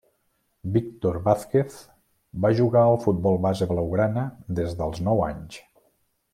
Víctor Vázquez va jugar al futbol base blaugrana des dels nou anys.